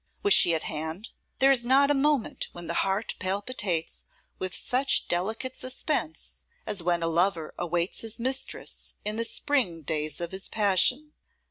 Was she at hand? There is not a moment when the heart palpitates with such delicate suspense as when a lover awaits his mistress in the spring days of his passion.